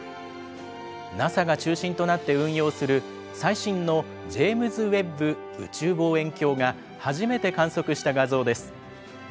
ＮＡＳＡが中心となって運用する、最新のジェームズ・ウェッブ宇宙望遠鏡が初めて観測した画像です。